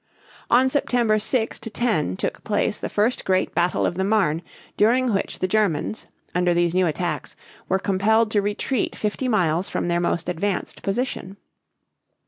On September 6 10 took place the first great battle of the Marne, during which the Germans, under these new attacks, were compelled to retreat fifty miles from their most advanced position.